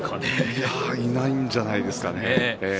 いや、いないじゃないですかね。